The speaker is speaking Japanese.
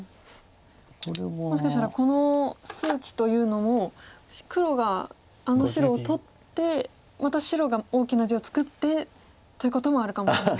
もしかしたらこの数値というのも黒があの白を取ってまた白が大きな地を作ってということもあるかもしれない。